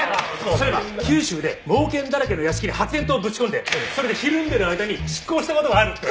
そういえば九州で猛犬だらけの屋敷に発煙筒ぶち込んでそれでひるんでる間に執行した事もあるって。